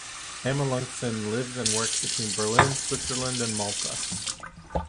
Amelunxen lives and works between Berlin, Switzerland and Malta.